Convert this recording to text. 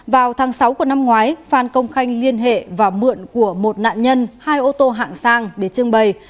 vào tháng sáu của năm ngoái phan công khanh liên hệ và mượn của một nạn nhân hai ô tô hạng sang để trưng bày